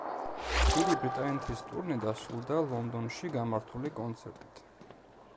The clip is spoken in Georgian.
დიდი ბრიტანეთის ტურნე დასრულდა ლონდონში გამართული კონცერტით.